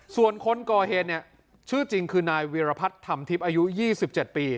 ส่วนคนก่อเหตุเนี่ยชื่อจริงคือนายวีรพัฒน์ธรรมทิพย์อายุ๒๗ปี